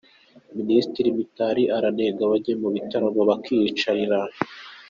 Minisitiri Mitali aranenga abajya mu bitaramo bakiyicarira